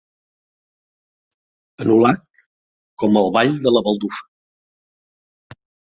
Anul·lat com el ball de la baldufa.